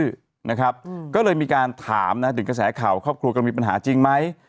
นะครับก็เลยมีการถามนะถึงกระแสข่าวครอบครัวก็มีปัญหาจริงไหม